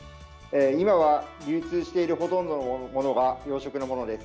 今は、流通しているほとんどのものが養殖のものです。